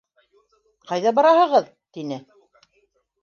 — Ҡайҙа бараһығыҙ? — тине.